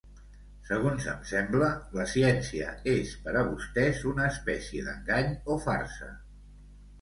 Segons em sembla, la ciència és per a vostès una espècie d'engany o farsa.